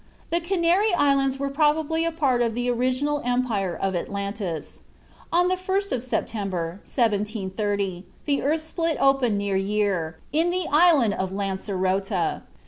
The Canary Islands were probably a part of the original empire of Atlantis. On the 1st of September, 1730, the earth split open near Yaiza, in the island of Lancerota.